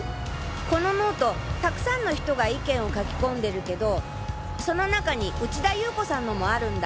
このノート沢山の人が意見を書き込んでるけどその中に内田裕子さんのもあるんだ。